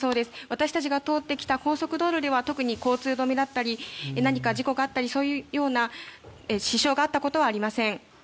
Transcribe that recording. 私たちが通ってきた高速道路では通行止めだったり何か事故があったりそういうような支障があったことはありません。